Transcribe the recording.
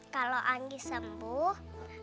kalau anggi sembuh